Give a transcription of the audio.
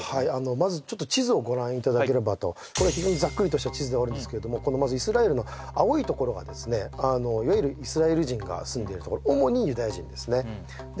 まずちょっと地図をご覧いただければとこれは非常にザックリとした地図ではあるんですけどもこのまずイスラエルの青いところがですねあのいわゆるイスラエル人が住んでるところ主にユダヤ人ですねで